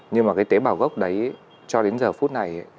nhưng mà cái tế bào gốc đấy cho đến giờ phút này